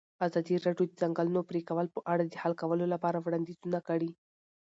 ازادي راډیو د د ځنګلونو پرېکول په اړه د حل کولو لپاره وړاندیزونه کړي.